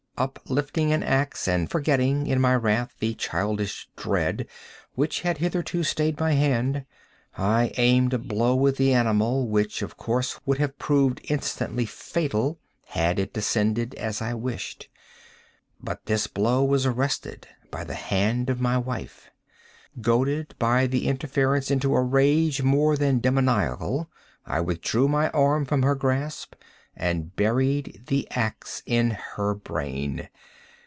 Uplifting an axe, and forgetting, in my wrath, the childish dread which had hitherto stayed my hand, I aimed a blow at the animal which, of course, would have proved instantly fatal had it descended as I wished. But this blow was arrested by the hand of my wife. Goaded, by the interference, into a rage more than demoniacal, I withdrew my arm from her grasp and buried the axe in her brain.